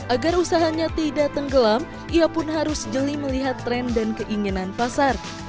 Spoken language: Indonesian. agar usahanya tidak tenggelam ia pun harus jeli melihat tren dan keinginan pasar